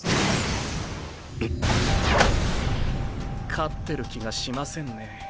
勝ってる気がしませんね。